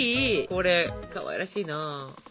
これかわいらしいな。